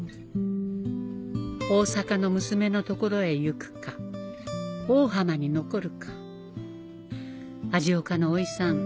大阪の娘の所へ行くか大浜に残るか味岡のおいさん